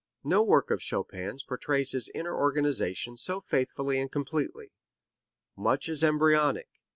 "No work of Chopin's portrays his inner organization so faithfully and completely. Much is embryonic.